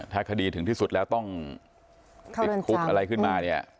ถ้าคดีถึงที่สุดแล้วต้องติดคุกอะไรขึ้นมาเนี่ย